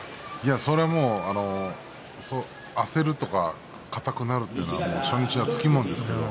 それはもう焦るとか硬くなるというのは初日はつきものです。